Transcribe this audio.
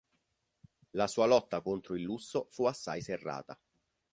La sua lotta contro il lusso fu assai serrata.